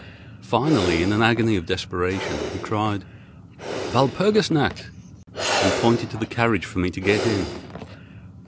Finally, in an agony of desperation, he cried: "Walpurgis nacht!" and pointed to the carriage for me to get in.